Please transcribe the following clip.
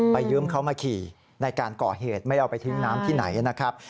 ยืมเขามาขี่ในการก่อเหตุไม่ได้เอาไปทิ้งน้ำที่ไหนนะครับ